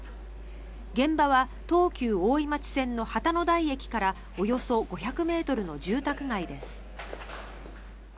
現場は東急大井町線の旗の台駅からおよそ５００ｍの住宅街です。